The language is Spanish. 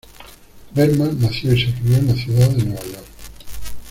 Berman nació y se crio en la ciudad de Nueva York.